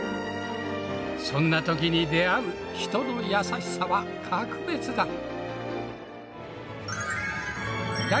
そんな時に出会う人の優しさは格別だ。